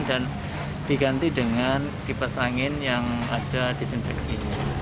dan diganti dengan kipas angin yang ada disinfeksi